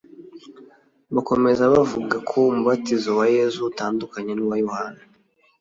bakomeza bavuga ko umubatizo wa Yesu utandukanye n’uwa Yohana